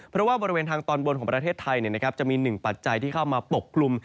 เพราะว่าบริเวณทางตอนบนของประเทศไทยจะมีหนึ่งปัจจัยที่เข้ามาปกกลุ่ม